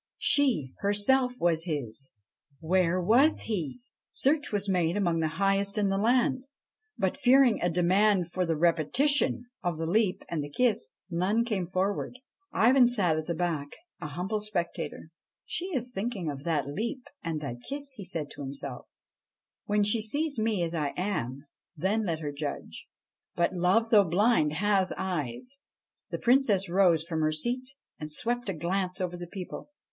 She, herself, was his ; where was he ? Search was made among the highest in the land, but, fearing a demand for the repetition of the leap and the kiss, none came forward. Ivan sat at the back, a humble spectator. ' She is thinking of that leap and that kiss,' said he to himself. 'When she sees me as I am, then let her judge.' 70 IVAN AND THE CHESTNUT HORSE But love, though blind, has eyes. The Princess rose from her seat and swept a glance over the people.